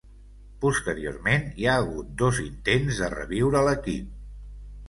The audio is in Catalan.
Posteriorment hi ha hagut dos intents de reviure l'equip.